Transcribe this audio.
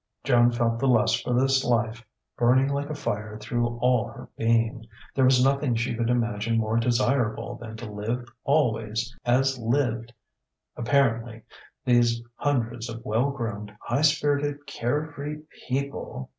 Joan felt the lust for this life burning like a fire through all her being: there was nothing she could imagine more desirable than to live always as lived, apparently, these hundreds of well groomed, high spirited, carefree people....